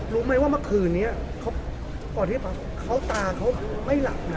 รู้ไหมว่าเมื่อคืนนี้ก่อนที่เขาตาเขาไม่หลับนะ